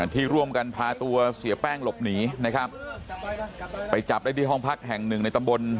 ที่ร่วมกันพาตัวเสียแป้งหลบหนีนะครับไปจับได้ที่ห้องพักแห่งหนึ่งในตำบล